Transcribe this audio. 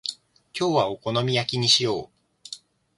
今日はお好み焼きにしよう。